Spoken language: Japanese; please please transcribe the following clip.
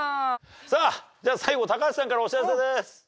さあじゃあ最後高橋さんからお知らせです。